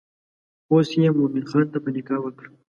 اوس یې مومن خان ته په نکاح ورکړه.